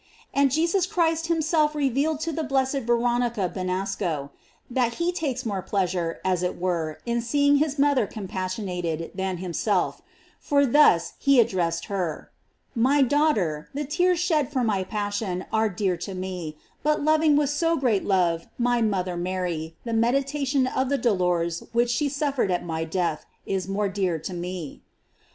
f And Jesus Christ himself revealed to the blessed Veronica Binasco, that he takes more pleasure, as it were, in seeing his mother compassionated than himself; for thus he addressed her: "My daughter, the tears shed for ray passion are dear to me; but loving with so great love my mother Mary, the meditation of the dolors which she suffered at my death is more dear to me."